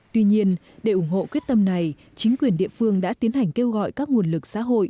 tuy nhiên để ủng hộ quyết tâm này chính quyền địa phương đã tiến hành kêu gọi các nguồn lực xã hội